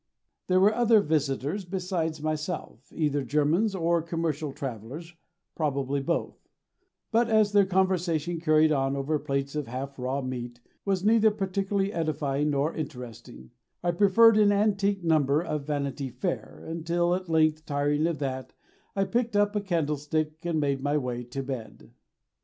There were other visitors besides myself, either Germans or commercial travellers, probably both; but as their conversation carried on over plates of half raw meat, was neither particularly edifying nor interesting, I preferred an antique number of Vanity Fair until, at length, tiring of that, I picked up a candlestick and made my way to bed.